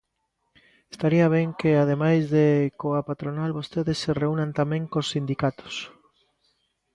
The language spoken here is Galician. Estaría ben que ademais de coa patronal vostedes se reúnan tamén cos sindicatos.